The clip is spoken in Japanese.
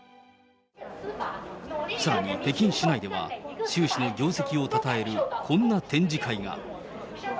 さらに北京市内では、習氏の業績をたたえるこんな展示会が。